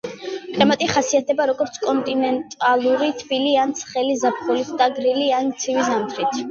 კლიმატი ხასიათდება, როგორც კონტინენტალური თბილი ან ცხელი ზაფხულით და გრილი ან ცივი ზამთრით.